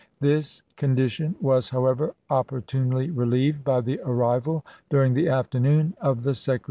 This condition was, however, opportunely relieved by the arrival during the afternoon of the Secre Api.